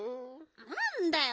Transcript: なんだよ。